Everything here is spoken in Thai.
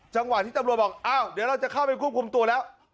จังหวะที่ตำรวจบอกอ้าวเดี๋ยวเราจะเข้าไปควบคุมตัวแล้ว